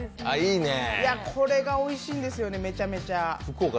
これがおいしいんですよね、めちゃめちゃ。